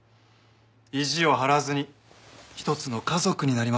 意地を張らずに一つの家族になりませんか？